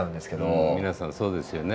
皆さんそうですよね。